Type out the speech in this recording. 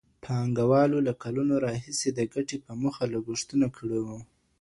پانګوالو له کلونو راهيسې د ګټي په موخه لګښتونه کړي وو.